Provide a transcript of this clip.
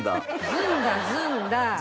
「ずんだずんだ」。